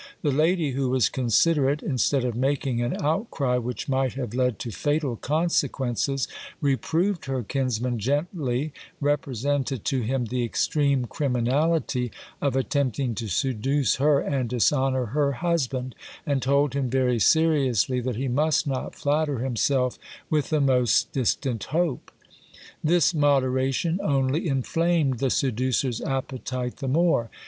The lady, who was considerate, instead of making an outcry which might have led to fatal consequences, reproved her kinsman gently, represented to him the extreme criminality of attempting to seduce her and dishonour her husband, and told him very seriously that he must not flatter himself with the most dis tant hope. This moderation only inflamed the seducer's appetite the more.